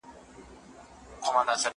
مړۍ وخوره!؟